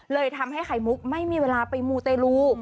เลยทำให้ไข่มุกไม่มีเวลาไปมูเตลู